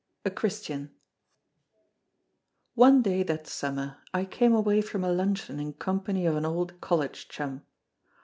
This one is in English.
A CHRISTIAN One day that summer, I came away from a luncheon in company of an old College chum.